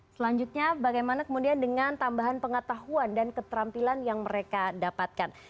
selanjutnya bagaimana kemudian dengan tambahan pengetahuan dan keterampilan yang mereka dapatkan